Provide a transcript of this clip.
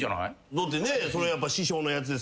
だってねそれやっぱ師匠のやつですから。